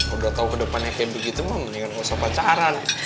udah tau ke depannya kayak begitu mah mendingan gak usah pacaran